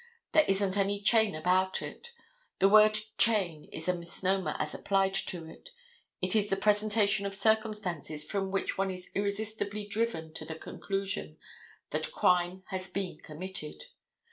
There isn't any chain about it: the word "chain" is a misnomer as applied to it; it is the presentation of circumstances from which one is irresistibly driven to the conclusion that crime has been committed.